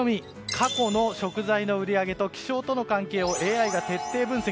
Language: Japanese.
過去の食材の売り上げと気象との関係をＡＩが徹底分析。